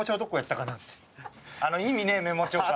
あの意味ねえメモ帳か。